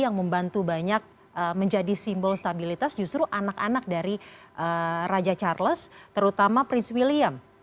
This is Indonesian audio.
yang membantu banyak menjadi simbol stabilitas justru anak anak dari raja charles terutama prince william